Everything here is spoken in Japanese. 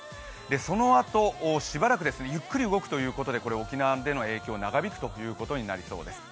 そのあとしばらくゆっくり動くということで沖縄での影響長引くということになりそうです。